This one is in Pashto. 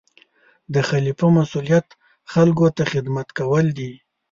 د خلیفه مسؤلیت خلکو ته خدمت کول دي.